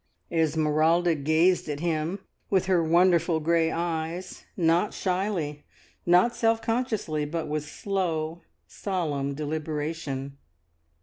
Esmeralda gazed at him with her wonderful grey eyes, not shyly, not self consciously, but with slow, solemn deliberation.